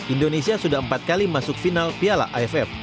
indonesia sudah empat kali masuk final piala aff